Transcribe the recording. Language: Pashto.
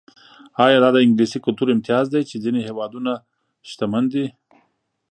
ایا دا د انګلیسي کلتور امتیاز دی چې ځینې هېوادونه شتمن دي.